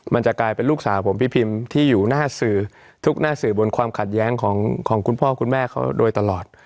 มันจะกลายเป็นลูกสาวผมพี่พิมที่อยู่หน้าสื่อทุกหน้าสื่อบนความขัดแย้งของคุณพ่อคุณแม่เขาโดยตลอด